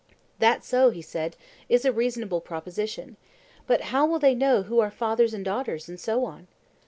That also, he said, is a reasonable proposition. But how will they know who are fathers and daughters, and so on?